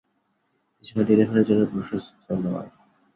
এই সময় টেলিফোনের জন্যে প্রশস্ত নয়।